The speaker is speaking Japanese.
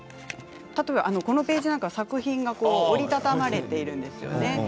例えばこのページなんかは作品がこう折り畳まれているんですよね。